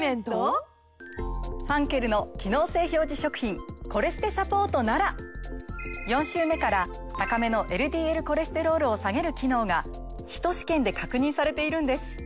ファンケルの機能性表示食品コレステサポートなら４週目から高めのＬＤＬコレステロールを下げる機能がヒト試験で確認されているんです。